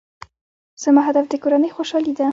زما هدف د کورنۍ خوشحالي ده.